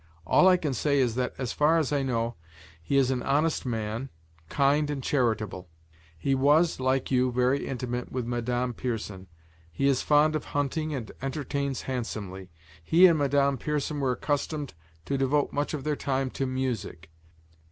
All I can say is that, as far as I know, he is an honest man, kind and charitable; he was, like you, very intimate with Madame Pierson; he is fond of hunting and entertains handsomely. He and Madame Pierson were accustomed to devote much of their time to music.